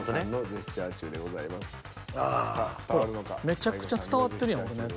［めちゃくちゃ伝わってるやん俺のやつ］